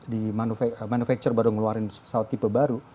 di manufacture baru ngeluarin pesawat tipe baru